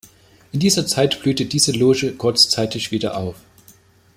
In dieser Zeit blühte diese Loge kurzzeitig wieder auf.